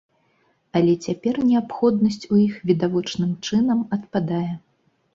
Але цяпер неабходнасць у іх відавочным чынам адпадае.